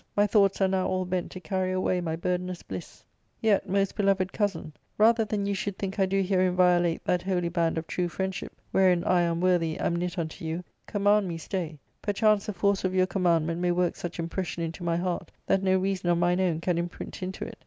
My thoughts are now all bent to carry away my burdenous bliss. Yet, most beloved cousin, rather than you should think I do herein violate that holy band of true friendship wherein I unworthy am knit unto you, command me stay. Perchance the force of your commandment may work such impression into my heart that no reason of mine own can imprint into it.